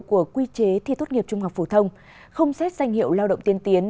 của quy chế thi tốt nghiệp trung học phổ thông không xét danh hiệu lao động tiên tiến